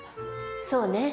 そうね。